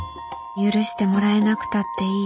許してもらえなくたっていい。